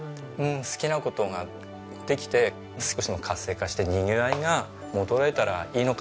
好きな事ができて少しでも活性化してにぎわいが戻れたらいいのかな。